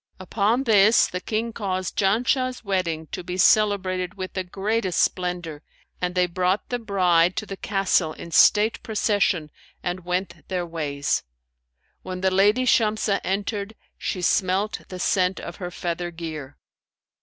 [FN#551] Upon this the King caused Janshah's wedding to be celebrated with the greatest splendour and they brought the bride to the castle in state procession and went their ways. When the lady Shamsah entered, she smelt the scent of her feather gear."